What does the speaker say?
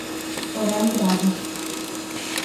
oralidade